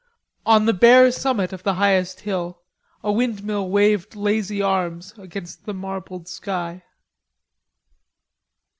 On the bare summit of the highest hill a windmill waved lazy arms against the marbled sky.